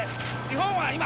日本は今。